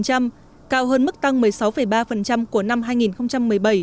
cao hơn mức tăng một mươi sáu ba của năm hai nghìn một mươi bảy